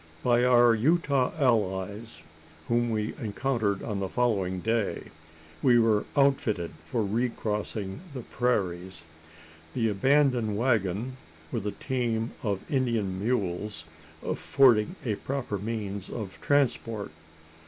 By our Utah allies, whom we encountered on the following day, we were "outfitted" for recrossing the prairies the abandoned waggon, with a team of Indian mules, affording a proper means of transport.